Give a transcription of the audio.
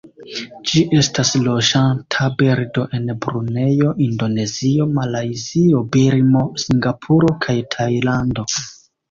Ĝi estas loĝanta birdo en Brunejo, Indonezio, Malajzio, Birmo, Singapuro kaj Tajlando.